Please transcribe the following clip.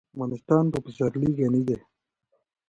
افغانستان په پسرلی غني دی.